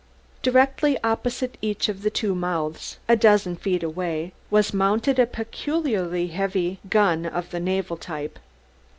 Directly opposite each of the two mouths, a dozen feet away, was mounted a peculiarly constructed heavy gun of the naval type.